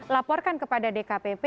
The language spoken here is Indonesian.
laporkan kepada dkpp